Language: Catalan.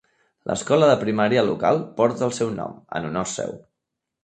L'escola de primària local porta el seu nom, en honor seu.